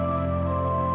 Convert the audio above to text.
ayang kamu mau ke mana